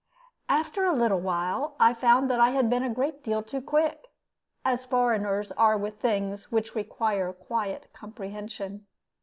After a little while I found that I had been a great deal too quick, as foreigners are with things which require quiet comprehension.